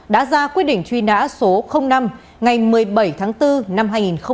đã ra quyết định truy nã số năm ngày một mươi bảy tháng bốn năm hai nghìn một mươi